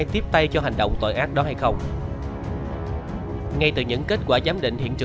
thời gian rảnh rỗi nhiều